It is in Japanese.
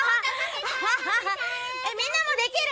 「みんなもできる？」